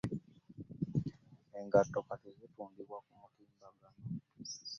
Engatto kati zitundibwa ku mutimbagano.